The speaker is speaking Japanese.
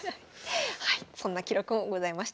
はいそんな記録もございました。